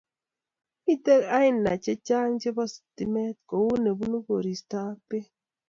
Mitei aina che chang chebo stimet kou nebunu koristo ak pek